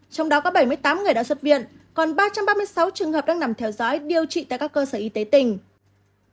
trong đó có bảy mươi tám người đã xuất viện còn ba trăm ba mươi sáu trường hợp đang nằm theo dõi điều trị tại các cơ sở y tế tỉnh